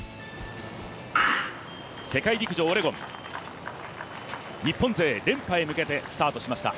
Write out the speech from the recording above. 世界陸上オレゴン日本勢連覇へ向けてスタートしました。